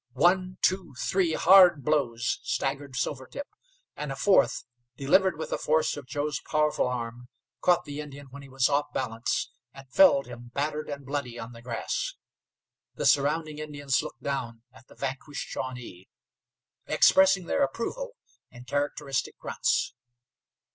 One, two, three hard blows staggered Silvertip, and a fourth, delivered with the force of Joe's powerful arm, caught the Indian when he was off his balance, and felled him, battered and bloody, on the grass. The surrounding Indians looked down at the vanquished Shawnee, expressing their approval in characteristic grunts.